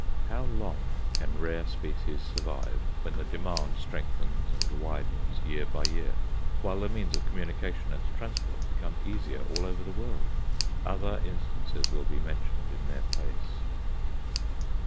How long can rare species survive, when the demand strengthens and widens year by year, while the means of communication and transport become easier over all the world? Other instances will be mentioned in their place.